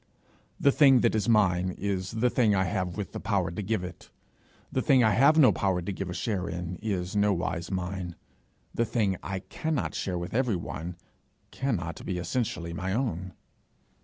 The thing that is mine is the thing I have with the power to give it. The thing I have no power to give a share in, is nowise mine; the thing I cannot share with everyone, cannot be essentially my own.